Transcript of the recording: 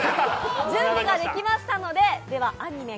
準備ができましたのでアニメ